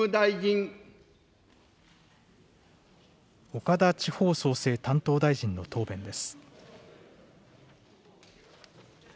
岡田地方創生担当大臣の答弁です。